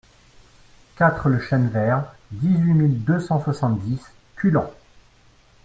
quatre le Chêne Vert, dix-huit mille deux cent soixante-dix Culan